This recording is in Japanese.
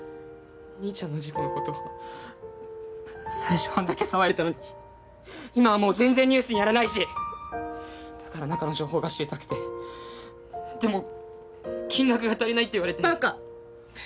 兄ちゃんの事故のこと最初あんだけ騒いでたのに今はもう全然ニュースにならないしだから中の情報が知りたくてでも金額が足りないって言われてバカ！